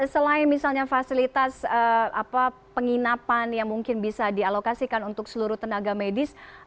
selain misalnya fasilitas penginapan yang mungkin bisa dialokasikan untuk seluruh tenaga medis